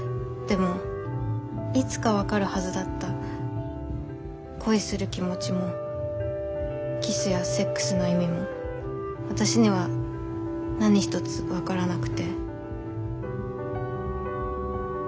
でもいつか分かるはずだった恋する気持ちもキスやセックスの意味も私には何一つ分からなくて。